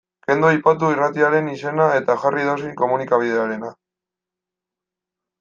Kendu aipatu irratiaren izena eta jarri edozein komunikabiderena.